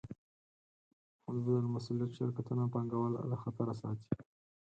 محدودالمسوولیت شرکتونه پانګهوال له خطره ساتي.